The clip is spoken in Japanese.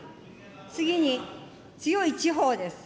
次に、強い地方です。